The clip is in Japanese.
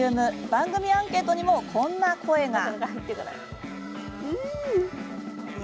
番組アンケートにもこんな声が。